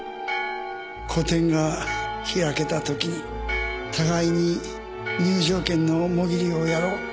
個展が開けたときに互いに入場券のモギリをやろう。